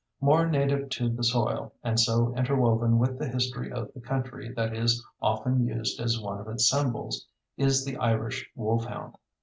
More native to the soil, and so interwoven with the history of the country that it is often used as one of its symbols, is the Irish wolfhound.